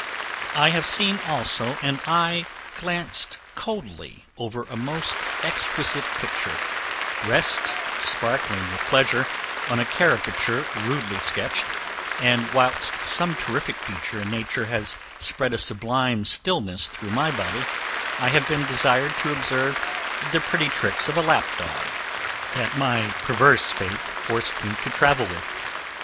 I have seen also an eye glanced coldly over a most exquisite picture, rest, sparkling with pleasure, on a caricature rudely sketched; and whilst some terrific feature in nature has spread a sublime stillness through my soul, I have been desired to observe the pretty tricks of a lap dog, that my perverse fate forced me to travel with.